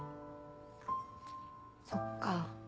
そっか。